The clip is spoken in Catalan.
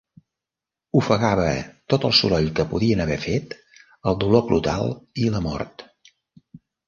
Ofegava tot el soroll que podien haver fet el dolor brutal i la mort.